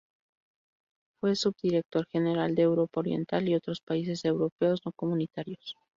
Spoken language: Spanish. Fue subdirector General de Europa Oriental y otros Países Europeos no Comunitarios.